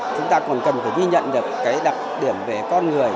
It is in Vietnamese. chúng ta còn cần phải ghi nhận được cái đặc điểm về con người